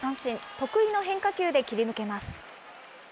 得意の変化球で切り抜けます。